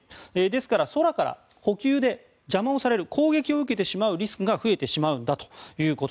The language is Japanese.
ですから空から補給で邪魔をされる攻撃を受けてしまうリスクが増えてしまうと。